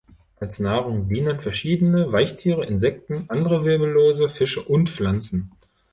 Als Nahrung dienen verschiedene Weichtiere, Insekten, andere Wirbellose, Fische und Pflanzen.